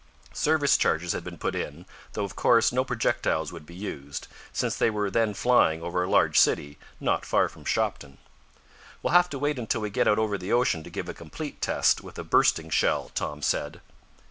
Service charges had been put in, though, of course, no projectiles would be used, since they were then flying over a large city not far from Shopton. "We'll have to wait until we get out over the ocean to give a complete test, with a bursting shell," Tom said.